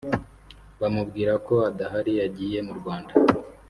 bamubwira ko adahari yagiye mu Rwanda